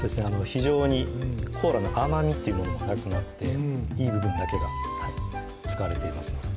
非常にコーラの甘みっていうものがなくなっていい部分だけが使われていますね